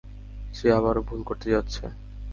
সে আবারও ভুল করতে যাচ্ছে।